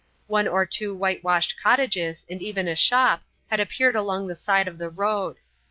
One or two whitewashed cottages and even a shop had appeared along the side of the road.